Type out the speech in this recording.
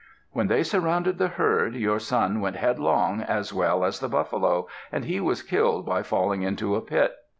"When they surrounded the herd, your son went headlong as well as the buffalo, and he was killed by falling into a pit.